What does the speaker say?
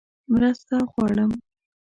_مرسته غواړم!